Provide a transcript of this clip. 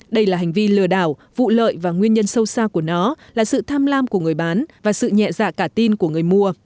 đây là hành vi lừa đảo vụ lợi và nguyên nhân sâu xa của nó là sự tham lam của người bán và sự nhẹ dạ cả tin của người mua